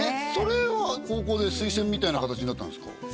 それは高校で推薦みたいなかたちになったんですか？